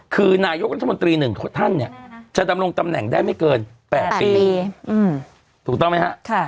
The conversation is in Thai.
คือนายกรัฐมนตรี๑ท่านจะตำลังตำแหน่งได้ไม่เกิน๘ปี